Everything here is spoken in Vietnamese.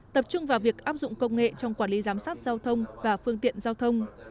tập trung vào việc áp dụng công nghệ trong quản lý giám sát giao thông và phương tiện giao thông